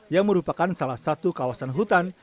yang merupakan salah satu kawasan hutan